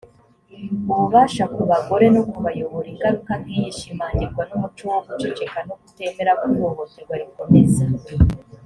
ububasha ku bagore no kubayobora ingaruka nk iyi ishimangirwa n umuco wo guceceka no kutemera ko ihohoterwa rikomeza